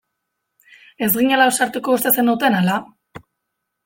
Ez ginela ausartuko uste zenuten ala?